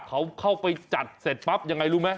เขาเข้าไปจัดเสร็จปั๊บยังไงรู้ไหม